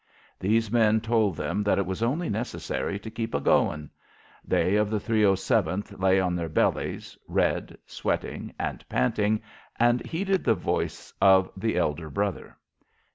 These men told them that it was only necessary to keep a going. They of the 307th lay on their bellies, red, sweating and panting, and heeded the voice of the elder brother.